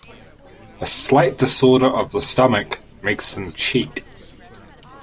A slight disorder of the stomach makes them cheat.